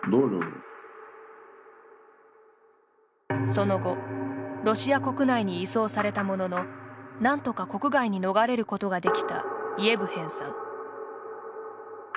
その後、ロシア国内に移送されたもののなんとか国外に逃れることができたイエヴヘンさん。